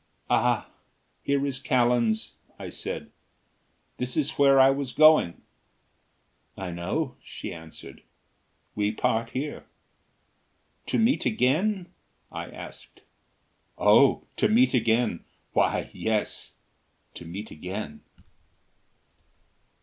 "Ah ... here is Callan's," I said. "This is where I was going...." "I know," she answered; "we part here." "To meet again?" I asked. "Oh ... to meet again; why, yes, to meet again."